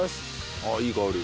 ああいい香り。